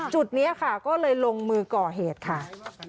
จุดนี้ค่ะก็เลยลงมือก่อเหตุค่ะ